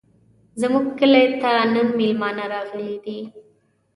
زموږ کلي ته نن مېلمانه راغلي دي.